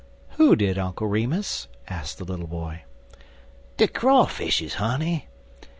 "Who did, Uncle Remus?" asked the little boy. "De Crawfishes, honey.